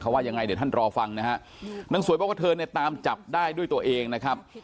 ว่ายังไงเดี๋ยวท่านรอฟังนะฮะนางสวยบอกว่าเธอเนี่ยตามจับได้ด้วยตัวเองนะครับ